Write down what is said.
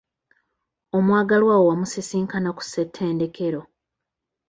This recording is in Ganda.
Omwagalwawo wamusisinkana ku ssettendekero?